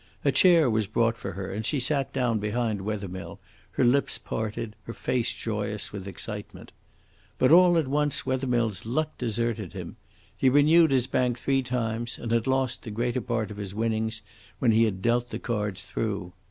A chair was brought for her, and she sat down behind Wethermill, her lips parted, her face joyous with excitement. But all at once Wethermill's luck deserted him. He renewed his bank three times, and had lost the greater part of his winnings when he had dealt the cards through.